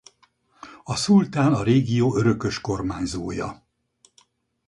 A szultán a régió örökös kormányzója.